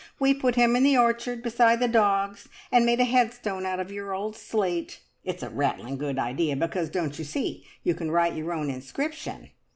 We put him in the orchard beside the dogs, and made a headstone out of your old slate. It's a rattling good idea, because, don't you see, you can write your own inscription!"